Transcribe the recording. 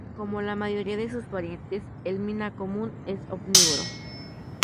Como la mayoría de sus parientes el miná común es omnívoro.